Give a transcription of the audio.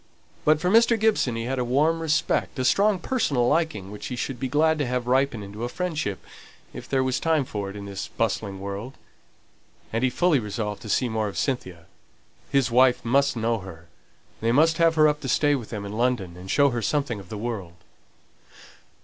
But for Mr. Gibson he had a warm respect, a strong personal liking, which he should be glad to have ripen into a friendship, if there was time for it in this bustling world. And he fully resolved to see more of Cynthia; his wife must know her; they must have her up to stay with them in London, and show her something of the world.